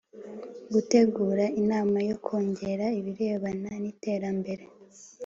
Gutegura inama yo Kongera ibirebana n iterambere